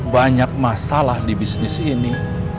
banyak masalah di bisnis ini